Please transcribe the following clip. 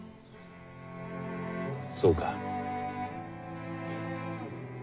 そうか。